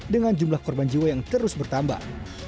dengan jumlah korban jiwa yang terus bertambah